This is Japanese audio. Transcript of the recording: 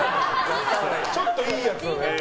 ちょっといいやつ。